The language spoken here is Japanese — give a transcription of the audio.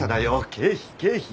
経費経費。